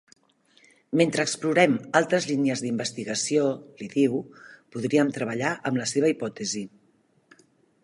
Mentre explorem altres línies d'investigació —li diu— podríem treballar amb la seva hipòtesi.